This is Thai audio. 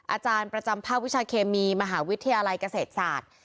อาจารย์ประจำภาควิชาเคมีมหาวิทยาลัยเกษตรศาสตร์